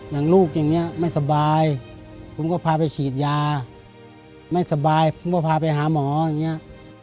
อย่างลูกอย่างนี้ไม่สบายผมก็พาไปฉีดยาไม่สบายผมก็พาไปหาหมออย่างนี้